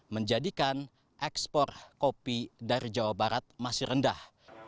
menjadikan ekspor kopi dari jawa barat masih rendah